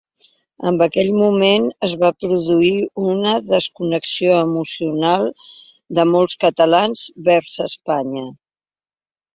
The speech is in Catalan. En aquell moment, es va produir una desconnexió emocional de molts catalans vers Espanya.